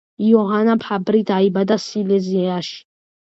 იოჰან ფაბრი დაიბადა სილეზიაში.